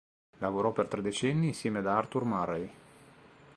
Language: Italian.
Lavorò per tre decenni insieme a Arthur Murray.